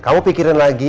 kamu pikirin lagi